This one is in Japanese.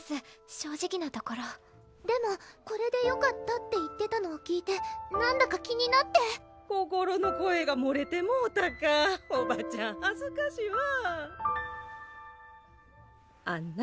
正直なところでも「これでよかった」って言ってたのを聞いてなんだか気になって心の声がもれてもうたかおばちゃんはずかしわあんな？